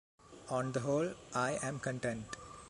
On the whole, I am content.